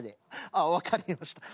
ああ分かりました。